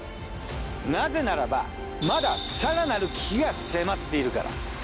なぜならばまだ更なる危機が迫っているから。